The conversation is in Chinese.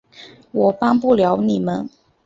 我帮不了你们